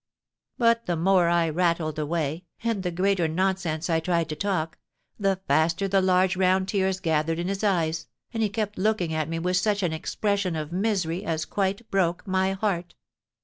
But the more I rattled away, and the greater nonsense I tried to talk, the faster the large round tears gathered in his eyes, and he kept looking at me with such an expression of misery as quite broke my heart.